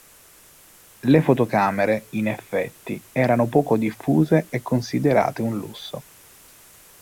Le fotocamere, in effetti, erano poco diffuse e considerate un lusso.